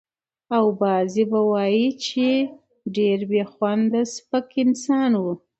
او بعضې به وايي چې ډېر بې خونده سپک انسان و.